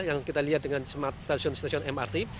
yang kita lihat dengan smart station station mrt